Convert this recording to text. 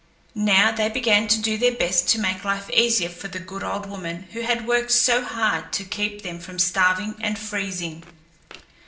Now they began to do their best to make life easier for the good old woman who had worked so hard to keep them from starving and freezing.